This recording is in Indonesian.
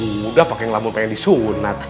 udah pak yang lamun pengen disunat